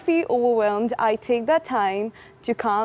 saya mengambil waktu untuk berdiam